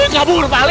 kabur pak ali